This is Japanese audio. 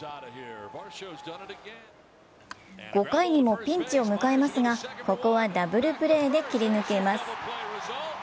５回にもピンチを迎えますが、ここはダブルプレーで切り抜けます。